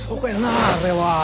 あれは。